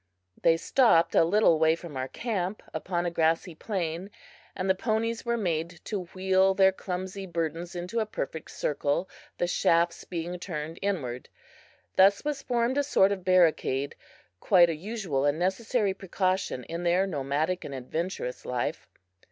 They stopped a little way from our camp, upon a grassy plain, and the ponies were made to wheel their clumsy burdens into a perfect circle, the shafts being turned inward. Thus was formed a sort of barricade quite a usual and necessary precaution in their nomadic and adventurous life.